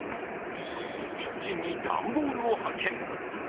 キッチンに段ボールを発見。